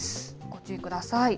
ご注意ください。